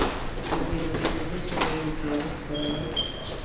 په بې مسؤليتۍ سره يوه ډرامه خپروي.